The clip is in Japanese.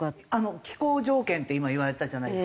気候条件って今言われたじゃないですか。